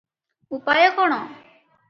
ଉପାୟ କଣ?